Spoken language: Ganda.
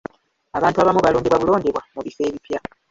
Abantu abamu balondebwa bulondebwa mu bifo ebipya.